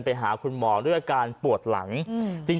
ไปหาคุณหมอด้วยอาการปวดหลัง